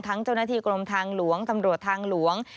เจ้าหน้าที่กรมทางหลวงตำรวจทางหลวง